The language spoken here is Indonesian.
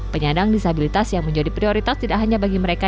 penyandang disabilitas yang menjadi prioritas tidak hanya bagi mereka